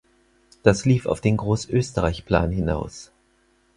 Das lief auf den Großösterreich-Plan hinaus.